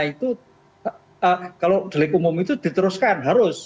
itu kalau delik umum itu diteruskan harus